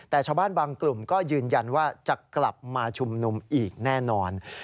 แต่ชาวบ้านบางกลุ่มก็ยืนยันว่าจะกลับมาชุมนุมอีกแน่นอน